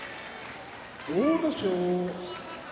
阿武咲